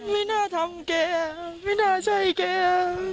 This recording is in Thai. ไม่น่าทำแกไม่น่าใช่แก